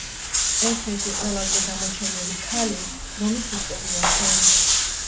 ერთ-ერთი ყველაზე გამოჩენილი ქალი რომის ისტორიაში.